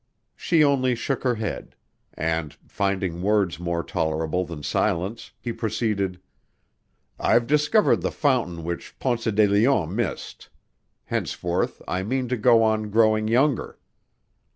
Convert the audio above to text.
She only shook her head, and, finding words more tolerable than silence, he proceeded: "I've discovered the fountain which Ponce de Leon missed. Henceforth I mean to go on growing younger."